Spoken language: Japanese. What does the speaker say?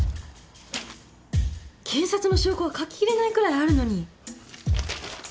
検察の証拠は書ききれないくらいあるのに。